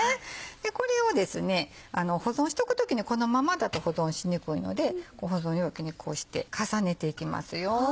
でこれを保存しておく時にこのままだと保存しにくいので保存容器にこうして重ねていきますよ。